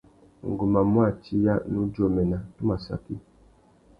Ngu má mù atiya, nnú djômena, tu má saki.